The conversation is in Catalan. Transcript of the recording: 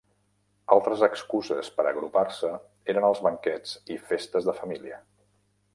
Altres excuses per a agrupar-se eren els banquets i festes de família.